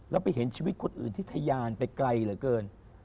แล้วไปเห็นชีวิตคนอื่นที่ทะยานไปไกลเหลือเกิน